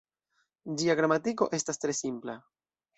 Ĝia gramatiko estas tre simpla.